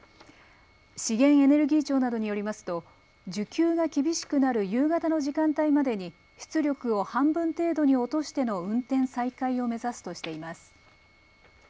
資源エネルギー庁などによりますと需給が厳しくなる夕方の時間帯までに出力を半分程度に落としての運転再開を目指すとしています。